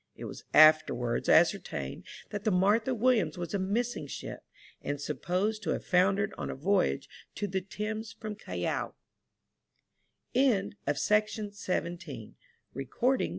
It was afterwards ascertained that the Martha Williams was a missing ship, and supposed to have foundered on a voyage to the Thames from Callao* THE OLD NAVAL SEA SONG.